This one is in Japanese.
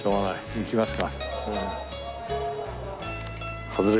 行きますか。